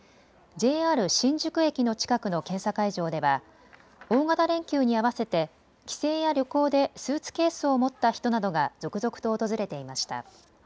ＪＲ新宿駅の近くの検査会場では大型連休に合わせて帰省や旅行でスーツケースを持った人などが続々と訪れていました。